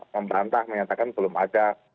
memberantah menyatakan belum ada